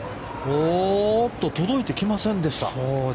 届いてきませんでした。